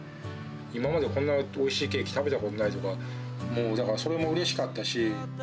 今までこんなおいしいケーキ食べたことないとか、もうだから、それもうれしかったし。